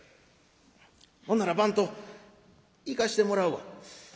「ほんなら番頭行かしてもらうわ」。